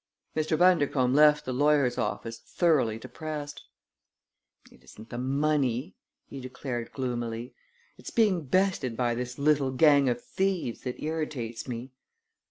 Mr. Bundercombe left the lawyer's office thoroughly depressed. "It isn't the money!" he declared gloomily. "It's being bested by this little gang of thieves that irritates me!"